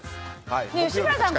吉村さん